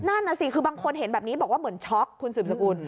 นั่นน่ะสิคือบางคนเห็นแบบนี้บอกว่าเหมือนช็อกคุณสืบสกุล